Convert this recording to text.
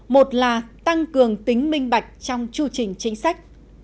một là tăng cường tính minh bạch trong chưu trình chính sách